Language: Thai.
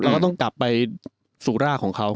ก็ต้องกลับไปสู่รากของเขา